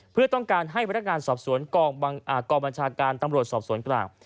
เพื่อต้องการให้พนักงานสอบสวนกองบัญชาการตำรวจสอบสวนกลาง